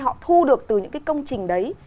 họ thu được từ những cái công trình đấy